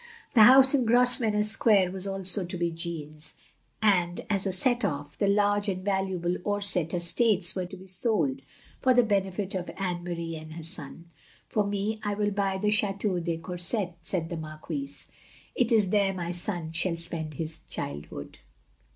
The house in Grosvenor Square was also to be Jeanne's; and as a set off, the large and valuable Orsett estates were to be sold for the benefit of Anne Marie and her son. "For me — I will buy the Chateau de Courset," said the Marquise. "It is there my son shall spend his childhood.